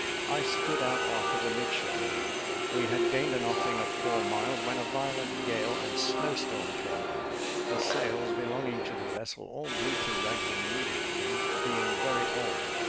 I stood out after the midshipman. We had gained an offing of four miles, when a violent gale and snow storm came on. The sails belonging to the vessel all blew to rags immediately, being very old.